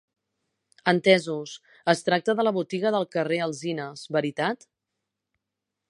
Entesos, es tracta de la botiga del carrer Alzines, veritat?